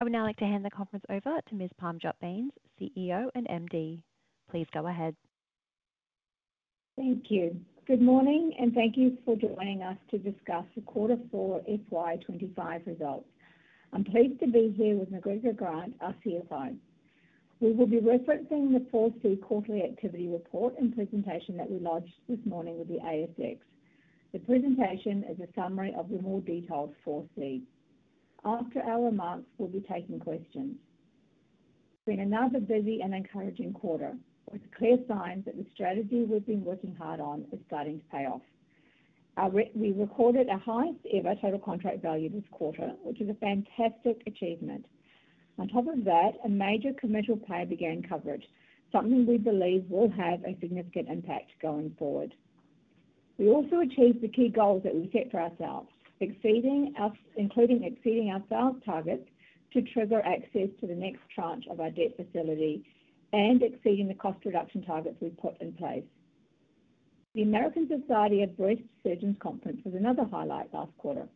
I would now like to hand the conference over to Ms. Parmjot Bains, CEO and MD. Please go ahead. Thank you. Good morning, and thank you for joining us to discuss the Quarter Four FY 2025 results. I'm pleased to be here with McGregor Grant, our CFO. We will be referencing the 4C Quarterly Activity Report and presentation that we launched this morning with the ASX. The presentation is a summary of the more detailed 4C. After our remarks, we'll be taking questions. It's been another busy and encouraging quarter, with clear signs that the strategy we've been working hard on is starting to pay off. We recorded the highest ever Total Contract value this quarter, which is a fantastic achievement. On top of that, a major commercial payor began coverage, something we believe will have a significant impact going forward. We also achieved the key goals that we set for ourselves, including exceeding our sales targets to trigger access to the next tranche of our debt facility and exceeding the cost reduction targets we put in place. The American Society of Breast Surgeons conference was another highlight last quarter.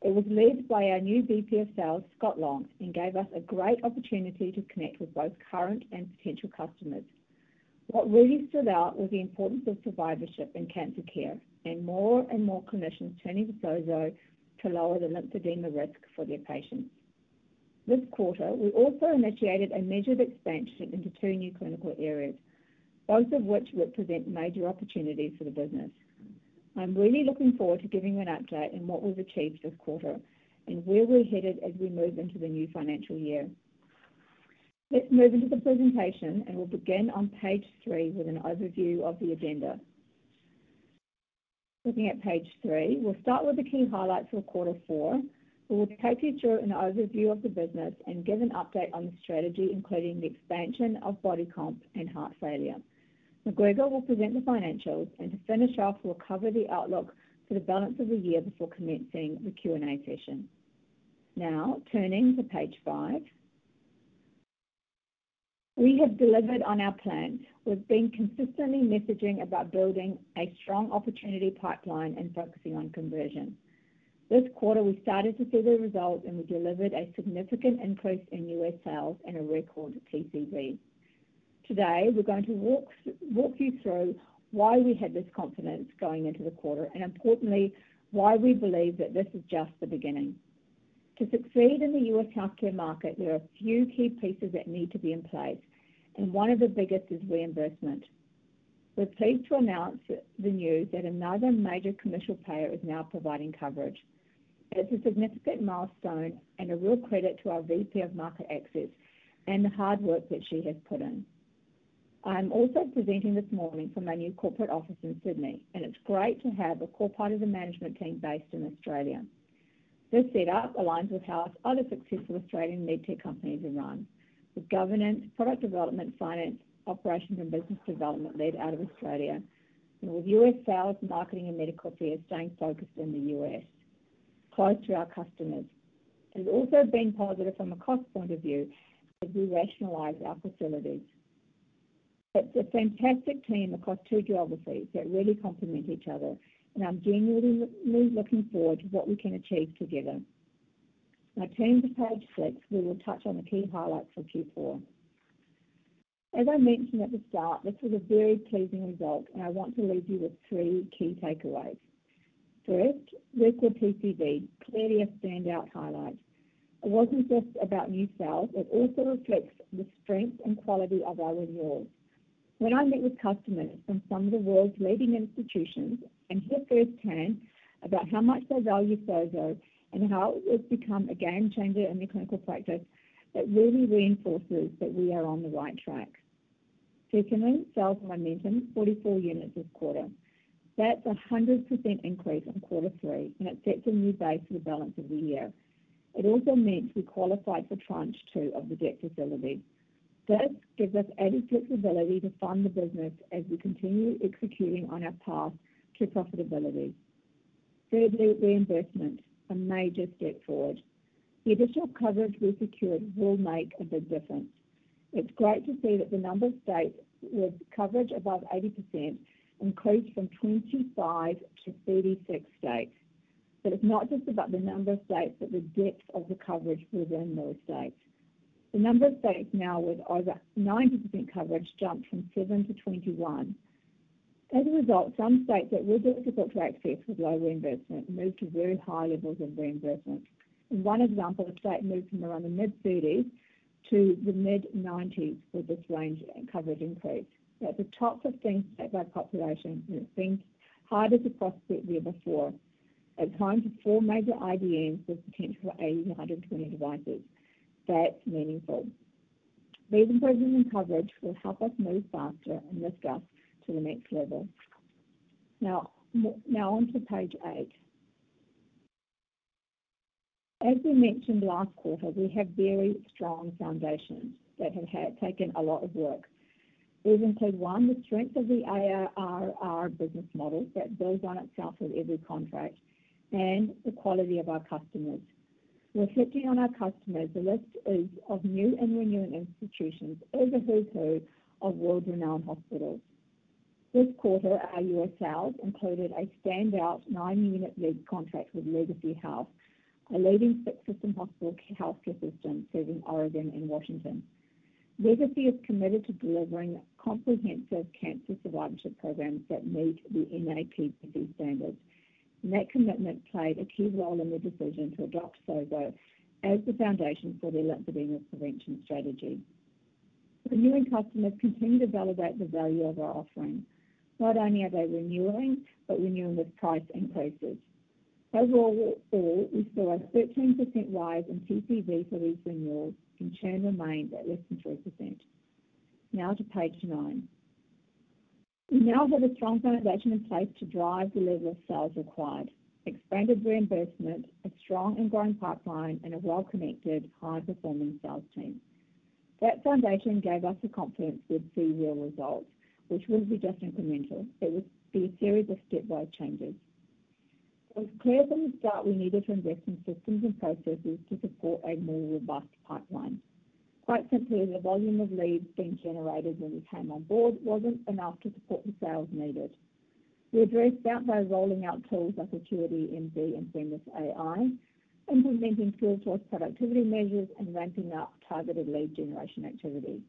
It was led by our new VP of Sales, Scott Long, and gave us a great opportunity to connect with both current and potential customers. What really stood out was the importance of survivorship in cancer care, and more and more clinicians turning to SOZO to lower the lymphedema risk for their patients. This quarter, we also initiated a measured expansion into two new clinical areas, both of which represent major opportunities for the business. I'm really looking forward to giving you an update on what we've achieved this quarter and where we're headed as we move into the new financial year. Let's move into the presentation, and we'll begin on page three with an overview of the agenda. Looking at page three, we'll start with the key highlights for Quarter Four. We'll take you through an overview of the business and give an update on the strategy, including the expansion of body composition and heart failure. McGregor will present the financials, and to finish off, we'll cover the outlook for the balance of the year before commencing the Q&A session. Now, turning to page five, we have delivered on our plan. We've been consistently messaging about building a strong opportunity pipeline and focusing on conversion. This quarter, we started to see the results, and we delivered a significant increase in U.S. sales and a record TCV. Today, we're going to walk you through why we had this confidence going into the quarter, and importantly, why we believe that this is just the beginning. To succeed in the U.S. healthcare market, there are a few key pieces that need to be in place, and one of the biggest is reimbursement. We're pleased to announce the news that another major commercial payer is now providing coverage. It's a significant milestone and a real credit to our VP of Market Access and the hard work that she has put in. I'm also presenting this morning from my new corporate office in Sydney, and it's great to have a core part of the management team based in Australia. This setup aligns with how other successful Australian medtech companies are run: the governance, product development, finance, operations, and business development lead out of Australia, with U.S. sales, marketing, and medical affairs staying focused in the U.S., close to our customers. It's also been positive from a cost point of view as we rationalize our facilities. It's a fantastic team across two geographies that really complement each other, and I'm genuinely looking forward to what we can achieve together. Now, turning to page six, we will touch on the key highlights for Q4. As I mentioned at the start, this was a very pleasing result, and I want to leave you with three key takeaways. First, record TCV, clearly a standout highlight. It wasn't just about new sales. It also reflects the strength and quality of our renewal. When I meet with customers from some of the world's leading institutions and hear firsthand about how much they value SOZO and how it has become a game changer in their clinical practice, it really reinforces that we are on the right track. Secondly, sales momentum, 44 units this quarter. That's a 100% increase in quarter three, and it sets a new base for the balance of the year. It also means we qualified for tranche two of the debt facility. This gives us added flexibility to fund the business as we continue executing on our path to profitability. Thirdly, reimbursement, a major step forward. The additional coverage we secured will make a big difference. It's great to see that the number of states with coverage above 80% increased from 25 to 36 states. It's not just about the number of states, but the depth of the coverage within those states. The number of states now with over 90% coverage jumped from 7 to 21. As a result, some states that were difficult to access with low reimbursement moved to very high levels of reimbursement. In one example, a state moved from around the mid-30s to the mid-90s with this range and coverage increase. At the top 15% by population, we think harder to cross the year before. It's home to four major IDNs, with potential for 80 devices-120 devices. That's meaningful. These improvements in coverage will help us move faster and lift us to the next level. Now, on to page eight. As we mentioned last quarter, we have very strong foundations that have taken a lot of work. These include, one, the strength of the ARR business model that builds on itself with every contract, and the quality of our customers. Reflecting on our customers, the list is of new and renewing institutions over who's who of world-renowned hospitals. This quarter, our U.S. sales included a standout nine-unit lead contract with Legacy Health, a leading healthcare system serving Oregon and Washington. Legacy is committed to delivering comprehensive cancer survivorship programs that meet the NAPBC standards. That commitment played a key role in the decision to adopt SOZO as the foundation for their lymphedema prevention strategy. The new and customers continue to validate the value of our offering. Not only are they renewing, but renewing with price increases. Overall, there was a 13% rise in TCV for these renewals, the churn remains at less than 3%. Now to page nine. We now have a strong foundation in place to drive the level of sales required: expanded reimbursement, a strong and growing pipeline, and a well-connected, high-performing sales team. That foundation gave us the confidence we'd see year-end results, which wasn't just incremental. It was a series of stepwise changes. It was clear from the start we needed to invest in systems and processes to support a more robust pipeline. Quite simply, the volume of leads being generated when we came on board wasn't enough to support the sales needed. We addressed that by rolling out tools like the AcuityMD and Siemens AI, implementing tools for productivity measures, and ramping up targeted lead generation activity.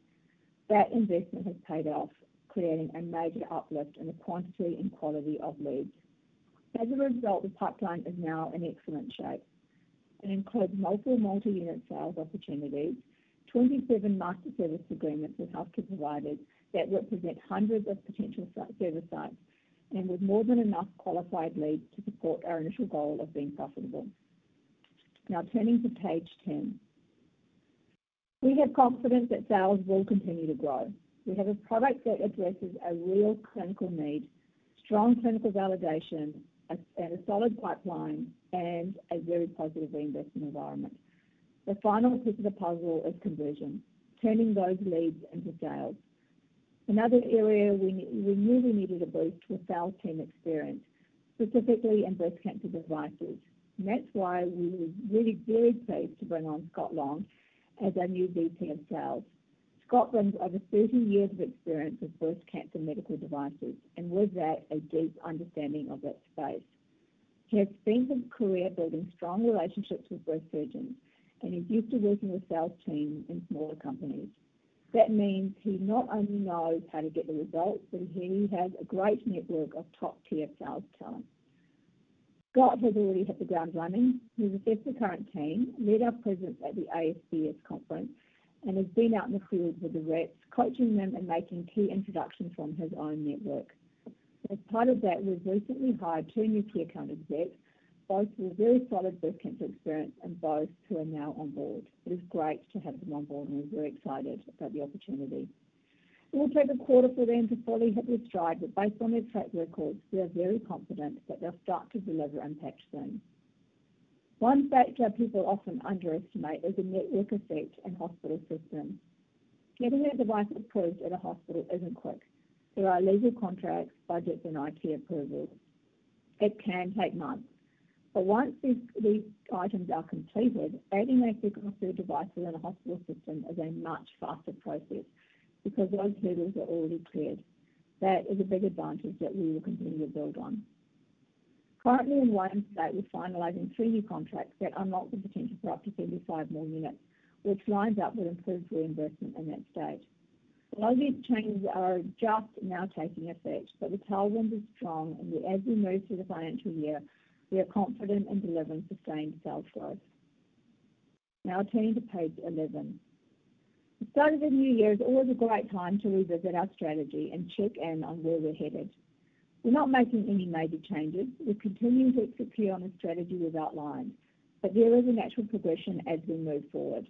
That investment has paid off, creating a major uplift in the quantity and quality of leads. As a result, the pipeline is now in excellent shape. It includes multiple multi-unit sales opportunities, 27 master service agreements with healthcare providers that represent hundreds of potential service sites, and with more than enough qualified leads to support our initial goal of being profitable. Now, turning to page 10. We have confidence that sales will continue to grow. We have a product that addresses a real clinical need, strong clinical validation, a solid pipeline, and a very positive reimbursement environment. The final piece of the puzzle is conversion, turning those leads into sales. Another area we knew we needed a boost was sales team experience, specifically in breast cancer devices. That’s why we were really very pleased to bring on Scott Long as our new VP of Sales. Scott brings over 30 years of experience with breast cancer medical devices, and with that, a deep understanding of that space. He has spent his career building strong relationships with breast surgeons, and he's used to working with sales teams in smaller companies. That means he not only knows how to get the results, but he has a great network of top-tier sales talent. Scott has already hit the ground running. He's assessed the current team, led our presence at the ASBS conference, and has been out in the field with the reps, coaching them and making key introductions from his own network. As part of that, we've recently hired two new key account execs, both with very solid breast cancer experience and both who are now on board. It is great to have them on board, and we're very excited about the opportunity. It will take a quarter for them to fully hit this drive, but based on their track records, we are very confident that they'll start to deliver and patch them. One factor people often underestimate is the network effect in hospital systems. Getting a device approved at a hospital isn't quick. There are legal contracts, budgets, and IT approvals. It can take months. Once these items are completed, adding a few devices in a hospital system is a much faster process because those hurdles are already cleared. That is a big advantage that we will continue to build on. Currently, in one state, we're finalizing two-year contracts that unlock the potential for up to 75 more units, which lines up with improved reimbursement in that state. A lot of these changes are just now taking effect, but the tailwind is strong, and as we move through the financial year, we are confident in delivering sustained sales growth. Now, turning to page 11. The start of the new year is always a great time to revisit our strategy and check in on where we're headed. We're not making any major changes. We're continuing to execute on the strategy we've outlined, but there is a natural progression as we move forward.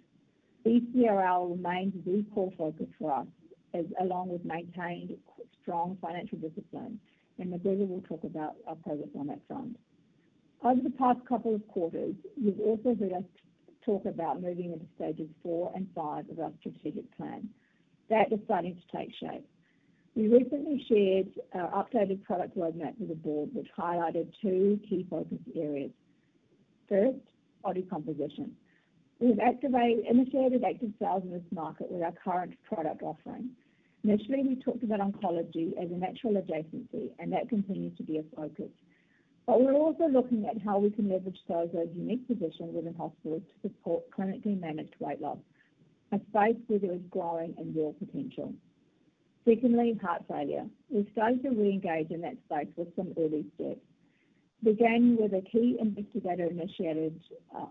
BCRL remains a very core focus for us, along with maintained strong financial discipline, and McGregor will talk about our progress on that front. Over the past couple of quarters, you've also heard us talk about moving into stages four and five of our strategic plan. That is starting to take shape. We recently shared our updated product roadmap with the board, which highlighted two key focus areas. First, body composition. We have activated and effected active sales in this market with our current product offering. Initially, we talked about oncology as a natural adjacency, and that continues to be a focus. We're also looking at how we can leverage SOZO's unique position within hospitals to support clinically managed weight loss, a space where there is growing and real potential. Secondly, heart failure. We've started to re-engage in that space with some early steps. Beginning with a key investigator-initiated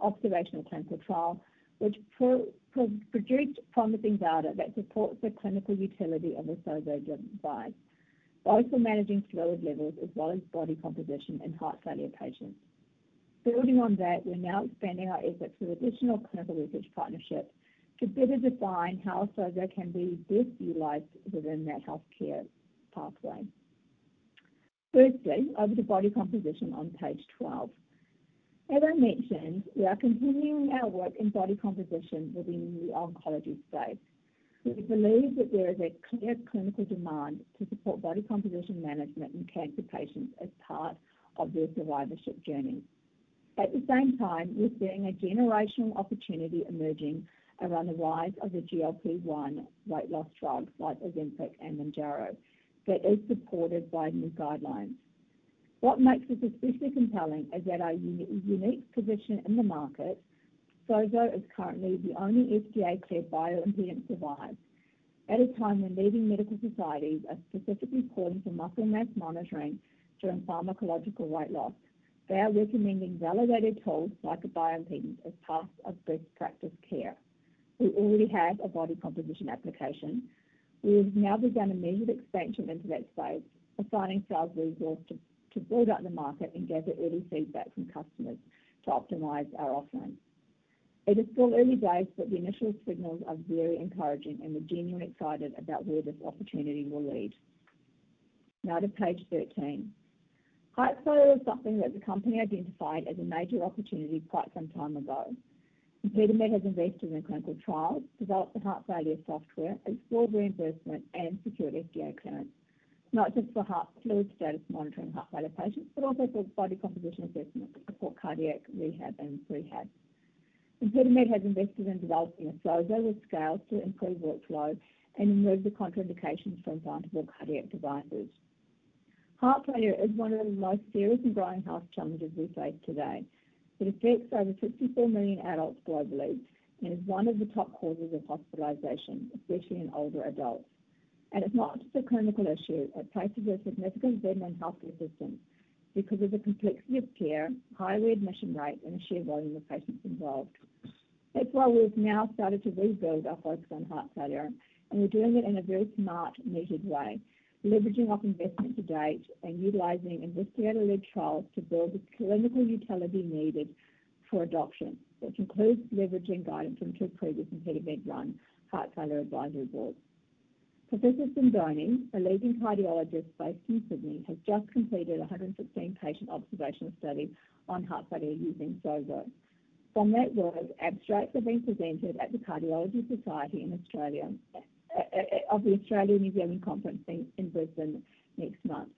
observational cancer trial, which produced promising data that supports the clinical utility of the SOZO device, both for managing fluid levels as well as body composition in heart failure patients. Building on that, we're now expanding our efforts with additional clinical research partnerships to better define how SOZO can be best utilized within that healthcare pathway. Firstly, over to body composition on page 12. As I mentioned, we are continuing our work in body composition within the oncology space. We believe that there is a clear clinical demand to support body composition management in cancer patients as part of their survivorship journey. At the same time, you're seeing a generational opportunity emerging around the rise of the GLP-1 weight loss drug, like Ozempic and Mounjaro, that is supported by new guidelines. What makes this especially compelling is our unique position in the market. SOZO is currently the only FDA-cleared bioimpedance device. At a time when leading medical societies are specifically calling for muscle mass monitoring during pharmacological weight loss, they are recommending validated tools like a bioimpedance as part of best practice care. We already have a body composition application. We have now begun a major expansion into that space, assigning sales resources to build up the market and gather early feedback from customers to optimize our offering. It is still early days, but the initial signals are very encouraging, and we're genuinely excited about where this opportunity will lead. Now to page 13. Heart failure was something that the company identified as a major opportunity quite some time ago. ImpediMed has invested in a clinical trial, developed the heart failure software, explored reimbursement, and secured FDA clearance, not just for heart fluid status monitoring in heart failure patients, but also for body composition assessment to support cardiac rehab and prehab. ImpediMed has invested in developing SOZO with scales to improve workflow and invent the contraindications for implantable cardiac devices. Heart failure is one of the most serious and growing health challenges we face today. It affects over 54 million adults globally and is one of the top causes of hospitalization, especially in older adults. It is not just a clinical issue. It places a significant burden on healthcare systems because of the complexity of care, high readmission rate, and the sheer volume of patients involved. That is why we've now started to rebuild our focus on heart failure, and we're doing it in a very smart, needed way, leveraging our investment to date and utilizing investigator-led trials to build the clinical utility needed for adoption, which includes leveraging guidance from two previous ImpediMed run heart failure advisory boards. Professor Sindone, a leading cardiologist based in Sydney, has just completed a 116-patient observational study on heart failure using SOZO. From that work, abstracts are being presented at the Cardiology Society in Australia at the Australian New Zealand Conference in Brisbane next month.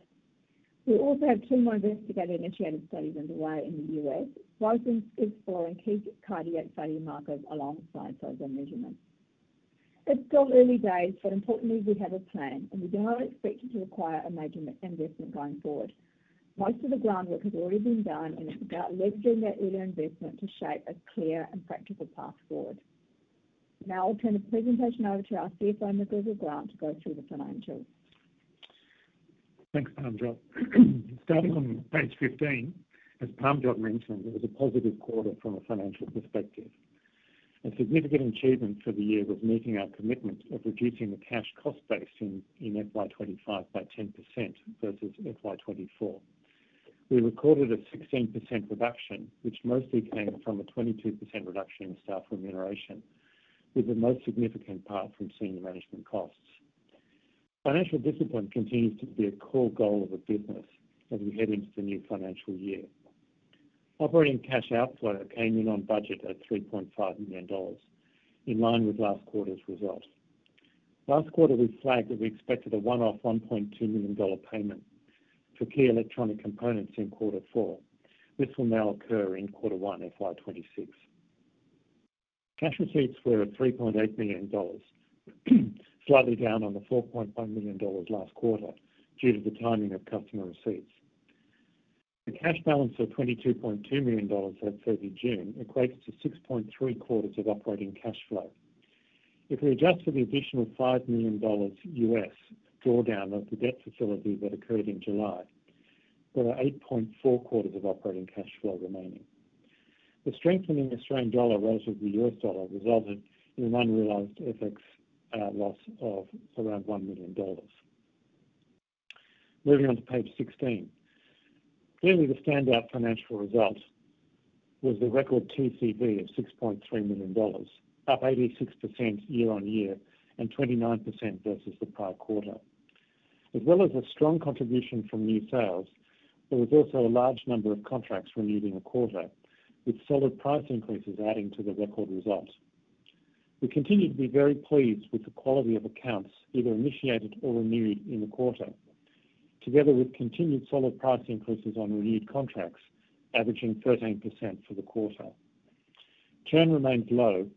We also have two more investigator-initiated studies underway in the U.S., both exploring key cardiac failure markers alongside SOZO measurements. It is still early days, but importantly, we have a plan, and we do not expect it to require a major investment going forward. Most of the groundwork has already been done, and it is about leveraging that early investment to shape a clear and practical path forward. Now, I'll turn the presentation over to our CFO, McGregor Grant, to go through the financials. Thanks, Parmjot. Starting on page 15, as Parmjot mentioned, it was a positive quarter from a financial perspective. A significant achievement for the year was meeting our commitment of reducing the cash cost base in FY 2025 by 10% versus FY 2024. We recorded a 16% reduction, which mostly came from a 22% reduction in staff remuneration, with the most significant part from senior management costs. Financial discipline continues to be a core goal of the business as we head into the new financial year. Operating cash outflow came in on budget at $3.5 million, in line with last quarter's results. Last quarter, we flagged that we expected a one-off $1.2 million payment for key electronic components in Quarter Four. This will now occur in Quarter One, FY 2026. Cash receipts were at $3.8 million, slightly down on the $4.1 million last quarter due to the timing of customer receipts. The cash balance of $22.2 million for the third of June equates to 6.3 quarters of operating cash flow. If we adjust for the additional $5 million drawdown of the debt facility that occurred in July, there are 8.4 quarters of operating cash flow remaining. The strengthening Australian dollar relative to the US dollar resulted in an unrealized FX loss of around $1 million. Moving on to page 16, clearly the standout financial result was the record TCV of $6.3 million, up 86% year-on-year and 29% versus the prior quarter. As well as a strong contribution from new sales, there was also a large number of contracts renewed in the quarter, with solid price increases adding to the record result. We continue to be very pleased with the quality of accounts either initiated or renewed in the quarter, together with continued solid price increases on renewed contracts, averaging 13% for the quarter. Churn remains low,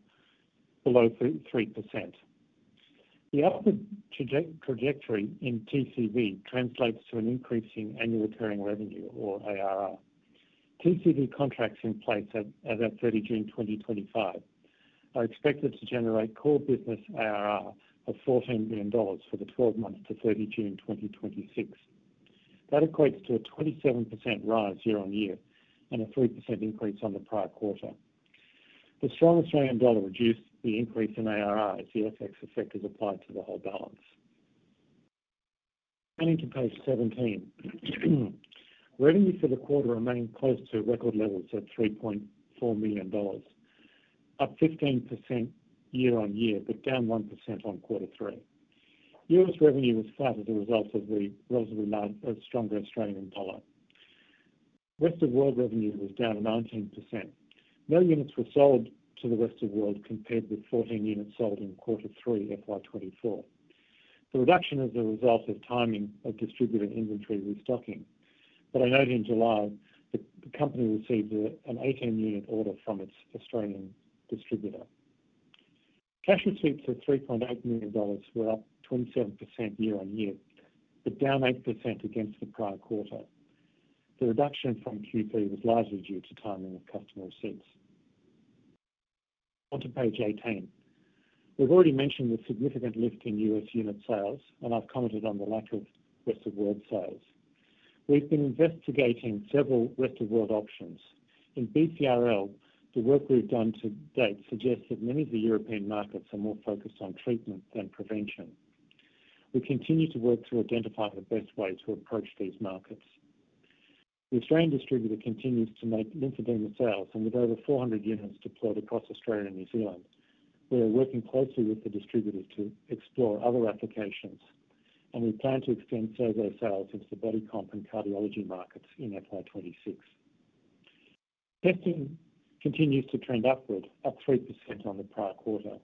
below 3%. The upward trajectory in TCV translates to an increase in annual recurring revenue, or ARR. TCV contracts in place as of 30 June 2025 are expected to generate core business ARR of $14 million for the 12 months to 30 June 2026. That equates to a 27% rise year-on-year and a 3% increase on the prior quarter. The strong Australian dollar reduced the increase in ARR as the FX effect is applied to the whole balance. Turning to page 17, revenue for the quarter remains close to record levels at $3.4 million, up 15% year-on-year, but down 1% on Quarter Three. US revenue was flat as a result of the stronger Australian dollar. The rest of world revenue was down 19%. No units were sold to the rest of the world compared with 14 units sold in Quarter Three, FY 2024. The reduction is a result of timing of distributor inventory restocking. I noted in July that the company received an 18-unit order from its Australian distributor. Cash receipts of $3.8 million were up 27% year-on-year, but down 8% against the prior quarter. The reduction from Q3 was largely due to timing of customer receipts. On to page 18. We've already mentioned the significant lift in U.S. unit sales, and I've commented on the lack of rest of the world sales. We've been investigating several rest of the world options. In BCRL, the work we've done to date suggests that many of the European markets are more focused on treatment than prevention. We continue to work to identify the best way to approach these markets. The Australian distributor continues to make lymphedema sales, and with over 400 units deployed across Australia and New Zealand, we are working closely with the distributors to explore other applications, and we plan to extend SOZO sales into the body composition and cardiology markets in FY 2026. Testing continues to trend upward, up 3% on the prior quarter.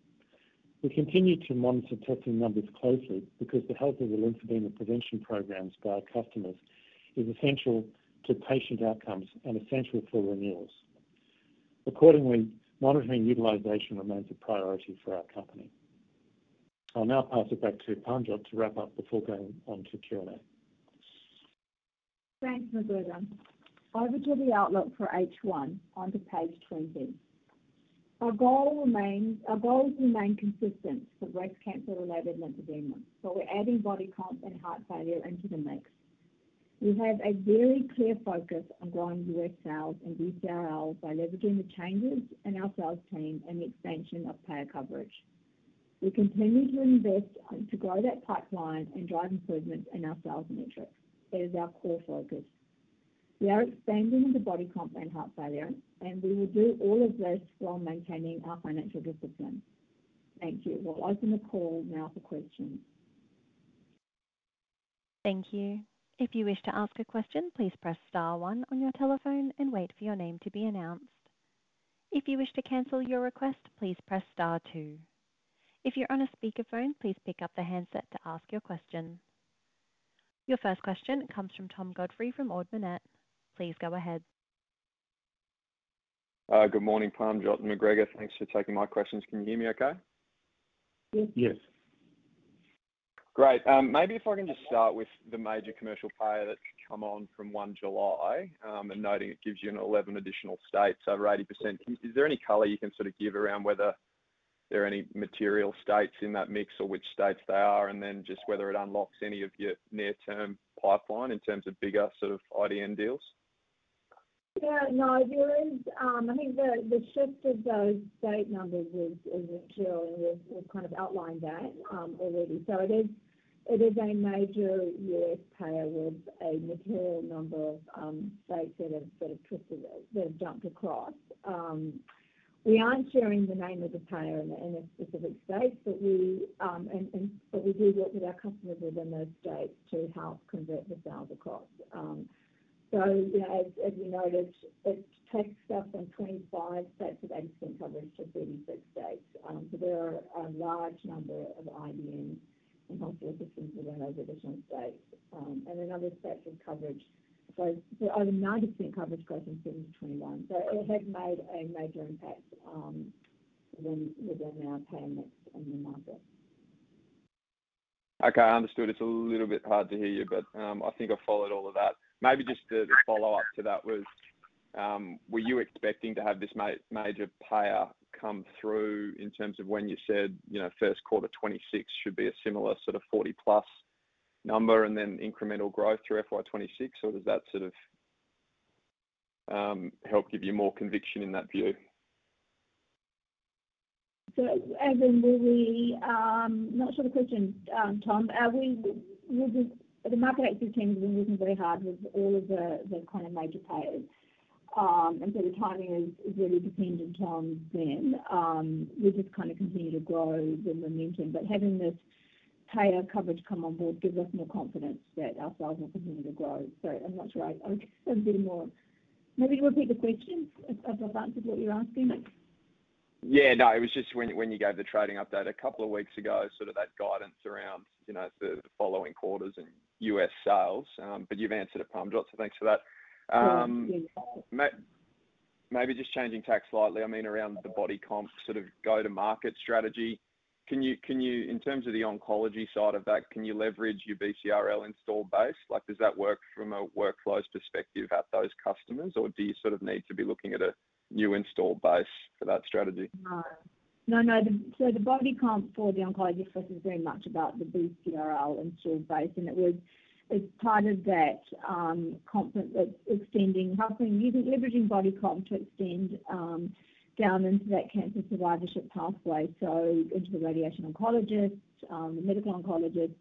We continue to monitor testing numbers closely because the health of the lymphedema prevention programs for our customers is essential to patient outcomes and essential for renewals. Accordingly, monitoring utilization remains a priority for our company. I'll now pass it back to Parmjot to wrap up before going on to Q&A. Thanks, Ms. Williams. Over to the outlook for H1, onto page 20. Our goal has remained consistent for breast cancer-related lymphedema, but we're adding Body Comp and heart failure into the mix. We have a very clear focus on growing U.S. sales in BCRL by leveraging the changes in our sales team and the expansion of payer coverage. We continue to invest to grow that pipeline and drive improvements in our sales metrics. That is our core focus. We are expanding into body comp and heart failure, and we will do all of this while maintaining our financial discipline. Thank you. We'll open the call now for questions. Thank you. If you wish to ask a question, please press star one on your telephone and wait for your name to be announced. If you wish to cancel your request, please press star two. If you're on a speakerphone, please pick up the handset to ask your question. Your first question comes from Tom Godfrey from Ord Minnett. Please go ahead. Good morning, Parmjot and McGregor. Thanks for taking my questions. Can you hear me okay? Yes. Great. Maybe if I can just start with the major commercial payer that I'm on from 1 July, and noting it gives you 11 additional states, so over 80%. Is there any color you can sort of give around whether there are any material states in that mix or which states they are, and then just whether it unlocks any of your near-term pipeline in terms of bigger sort of IDN deals? Yeah. No, there is, I think the shift of those state numbers is material, and we've kind of outlined that already. It is a major U.S. payer with a material number of states that have jumped across. We aren't sharing the name of the payer in a specific state, but we do look at our customers within those states to help convert the sales across. As you know, it's 20 stuff in 25 states with 80% coverage for 36 states. There are a large number of IDNs in hospital systems that are over the 20 states and other states with coverage. The 90% coverage growth in 2021 has made a major impact within our payer mix and the market. Okay. I understood. It's a little bit hard to hear you, but I think I followed all of that. Maybe just the follow-up to that was, were you expecting to have this major payer come through in terms of when you said, you know, first quarter 2026 should be a similar sort of 40 number and then incremental growth through FY2026, or does that sort of help give you more conviction in that view? I'm not sure the question, Tom, but I think the market active team has been working very hard with all of the kind of major payers. The timing is very dependent on them. We'll just continue to grow, as I mentioned. Having this payer coverage come on board gives us more confidence that our sales will continue to grow. Sorry, I'm not sure. I was just having a bit of more—can you repeat the question? I forgot what you were asking. Yeah. No, it was just when you gave the trading update a couple of weeks ago, sort of that guidance around, you know, the following quarters in U.S. sales. You've answered it, Parmjot, so thanks for that. Maybe just changing tacks slightly, I mean, around the body comp sort of go-to-market strategy. Can you, in terms of the oncology side of that, can you leverage your BCRL installed base? Does that work from a workflows perspective at those customers, or do you need to be looking at a new installed base for that strategy? No. No, no. The Body Comp for the oncology first is very much about the BCRL installed base, and it would, as part of that, extend healthcare and use leveraging Body Comp to extend down into that cancer survivorship pathway, into the radiation oncologist, the medical oncologist.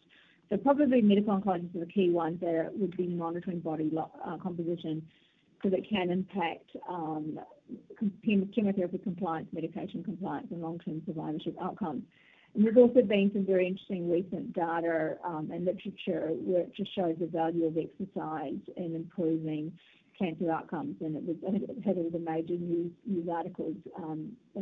Probably medical oncologists are the key ones that would be monitoring body composition so that it can impact chemotherapy compliance, medication compliance, and long-term survivorship outcomes. There has also been some very interesting recent data and literature that shows the value of exercise in improving cancer outcomes. It was headed with the major news articles in the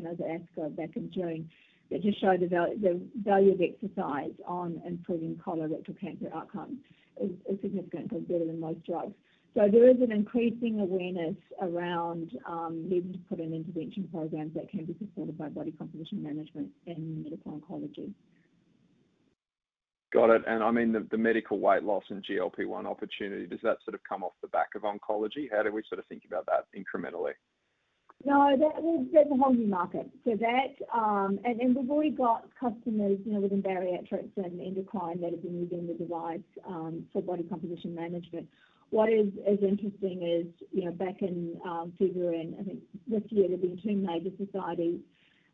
ASCO back in June. It showed the value of exercise on improving colorectal cancer outcomes is significantly better than most drugs. There is an increasing awareness around needing to put in intervention programs that can be supported by body composition management and medical oncology. Got it. I mean, the medical weight loss and GLP-1 opportunity, does that sort of come off the back of oncology? How do we sort of think about that incrementally? No, that's the whole new market. We've already got customers within bariatrics and endocrine that have been using the device for body composition management. What is as interesting is, back in February and I think this year, there have been two major societies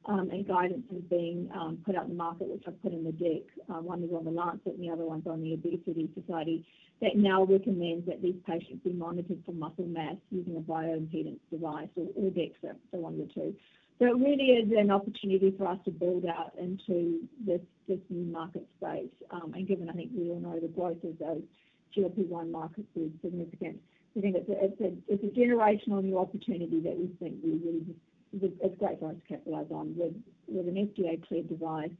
and guidance that have been put out in the market, which I've put in the deck. One is on The Lancet, and the other one's on The Obesity Society that now recommends that these patients be monitored for muscle mass using a bioimpedance device or Dex, one of the two. It really is an opportunity for us to build out into this new market space. Given I think we all know the growth of those GLP-1 markets is significant. I think it's a generational new opportunity that we think is great for us to capitalize on. We have an FDA-cleared device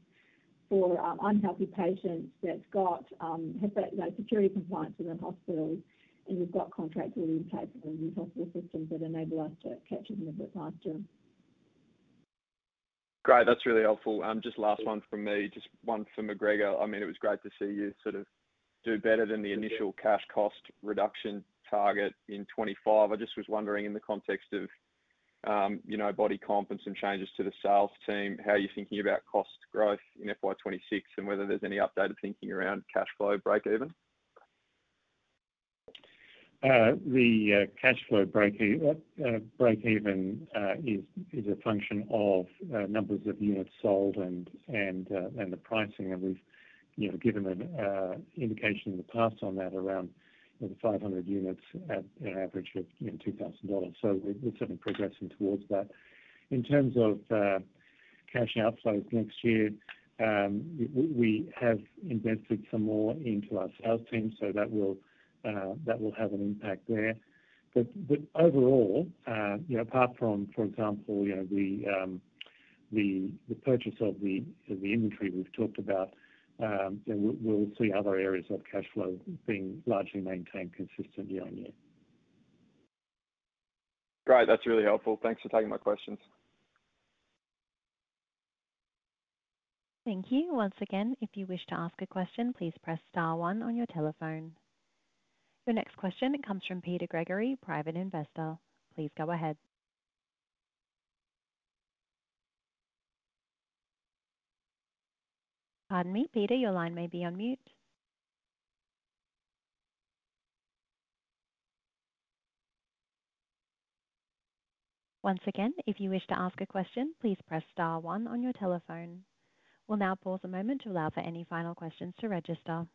for unhealthy patients that have security compliance within hospitals, and we've got contracts already in place within these hospital systems that enable us to catch it a little bit faster. Great. That's really helpful. Just last one from me, just one for McGregor. I mean, it was great to see you sort of do better than the initial cash cost reduction target in 2025. I just was wondering in the context of, you know, body composition and some changes to the sales team, how you're thinking about cost growth in FY 2026 and whether there's any updated thinking around cash flow breakeven? The cash flow breakeven is a function of numbers of units sold and the pricing. We've given an indication in the past on that around the 500 units at an average of $2,000. We're certainly progressing towards that. In terms of cash outflows next year, we have invested some more into our sales team, so that will have an impact there. Overall, apart from, for example, the purchase of the inventory we've talked about, we'll see other areas of cash flow being largely maintained consistent year on year. Great. That's really helpful. Thanks for taking my questions. Thank you. Once again, if you wish to ask a question, please press star one on your telephone. Your next question comes from Peter Gregory, private investor. Please go ahead. Pardon me, Peter, your line may be on mute. Once again, if you wish to ask a question, please press star one on your telephone. We'll now pause a moment to allow for any final questions to register.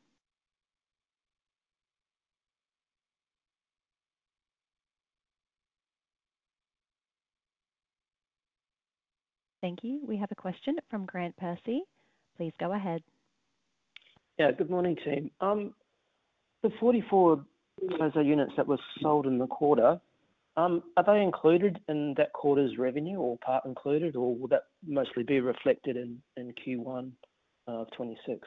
Thank you. We have a question from Grant Percy. Please go ahead. Good morning, team. The 44 SOZO units that were sold in the quarter, are they included in that quarter's revenue, or part included, or will that mostly be reflected in Q1 of 2026?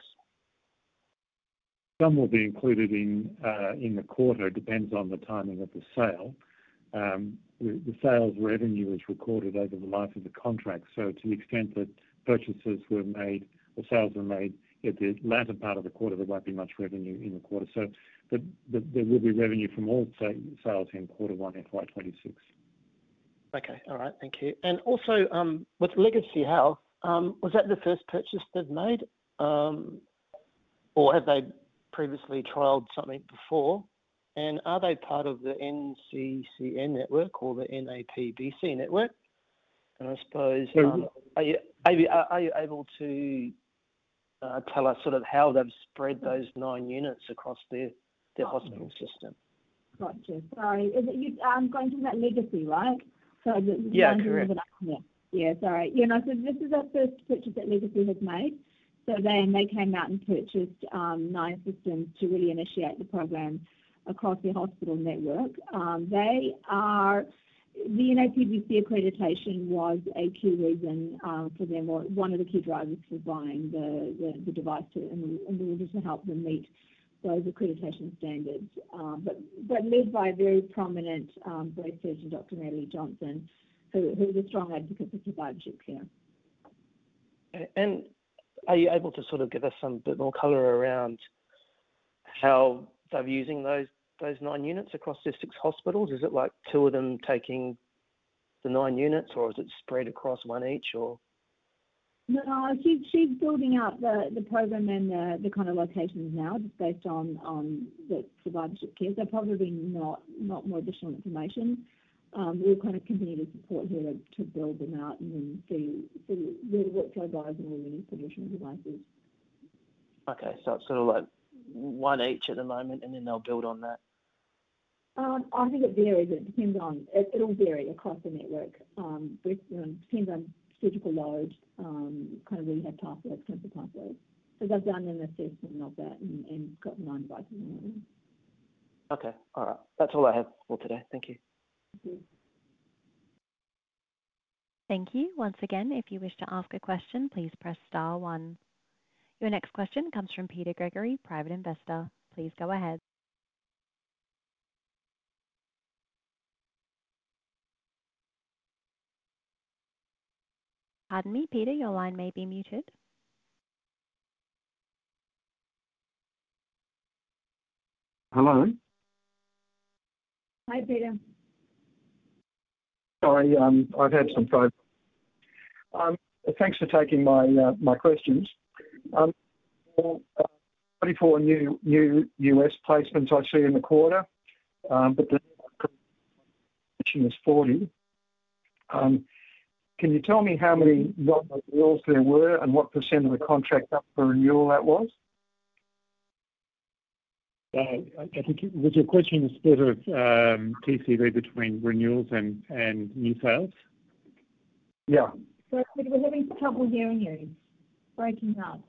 Some will be included in the quarter. It depends on the timing of the sale. The sales revenue is recorded over the life of the contract. To the extent that purchases were made or sales were made at the latter part of the quarter, there won't be much revenue in the quarter. There will be revenue from all sales in quarter one FY 2026. Okay. All right. Thank you. Also, with Legacy Health, was that the first purchase they've made, or have they previously trialed something before? Are they part of the NCCN network or the NAPBC network? I suppose, are you able to tell us sort of how they've spread those nine units across their hospital system? Gotcha. Sorry. I'm going to that Legacy, right? Yeah. Yeah. Sorry. Yeah. I said this is our first purchase that Legacy Health has made. They came out and purchased nine systems to really initiate the program across their hospital network. The NAPBC accreditation was a key reason for them, or one of the key drivers for buying the device too. We wanted to help them meet those accreditation standards, led by a very prominent breast surgeon, Dr. Natalie Johnson, who is a strong advocate for survivorship care. Are you able to give us some bit more color around how they're using those nine units across districts hospitals? Is it like two of them taking the nine units, or is it spread across one each? No, no. She's building out the program and the kind of locations now just based on the survivorship care. There'll probably be not more additional information. We'll continue to support her to build them out and then see the workflow guides and all the new promotional devices. Okay, it's sort of like one each at the moment, and then they'll build on that? I think it varies, it depends on, it'll vary across the network. It depends on surgical loads, kind of rehab pathways, cancer pathways. I've done an assessment of that and got nine devices in there. Okay. All right. That's all I have for today. Thank you. Thank you. Thank you. Once again, if you wish to ask a question, please press star one. Your next question comes from Peter Gregory, private investor. Please go ahead. Pardon me, Peter, your line may be muted. Hello? Hi, Peter. Sorry. Thanks for taking my questions. 44 new U.S. placements I see in the quarter, but the estimate is 40. Can you tell me how many renewals there were and what percentage of a contract up for renewal that was? I think, was your question a split of TCV between renewals and new sales? Yeah. Sorry, we're having trouble hearing you. It's breaking up.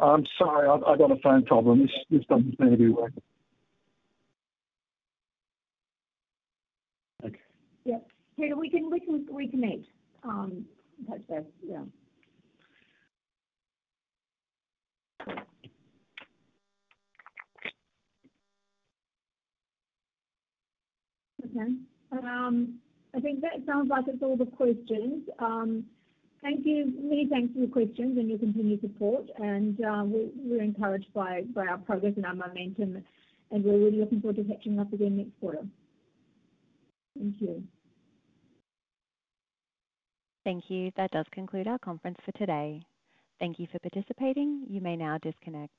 I'm sorry, I've got a phone problem. It's just on the radio. Okay. Yep. Peter, we can reconnect. Touch base. Okay. I think that sounds like it's all the questions. Thank you. Many thanks for your questions and your continued support. We're encouraged by our progress and our momentum, and we're really looking forward to catching up with you next quarter. Thank you. Thank you. That does conclude our conference for today. Thank you for participating. You may now disconnect.